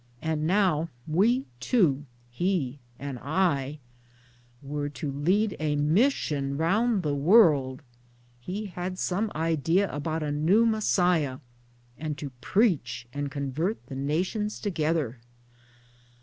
And now we two (he and I) were to lead a mission round the world he had some idea about a new Messiah and to preach and convert the nations together.